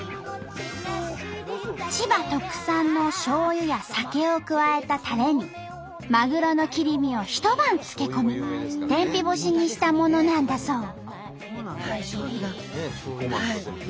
千葉特産のしょうゆや酒を加えたたれにまぐろの切り身を一晩漬け込み天日干しにしたものなんだそう。